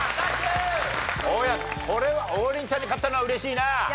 大家これは王林ちゃんに勝ったのは嬉しいな。